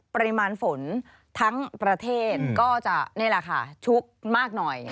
ปริมาณฝนทั้งประเทศก็จะชุกมากหน่อย